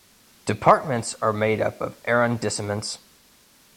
Departments are made up of Arrondissements.